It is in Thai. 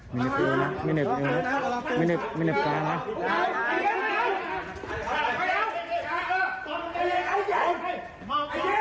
มินิปกาลนะ